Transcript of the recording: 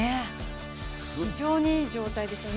非常にいい状態ですね。